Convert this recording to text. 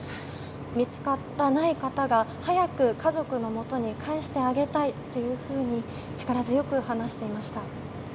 見つかっていない方を早く家族のもとに帰してあげたいというふうに力強く話していました。